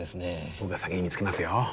僕が先に見つけますよ